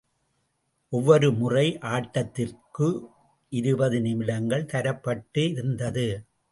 ஒவ்வொரு முறை ஆட்டத்திற்கும் இருபது நிமிடங்கள் தரப்பட்டிருந்தது.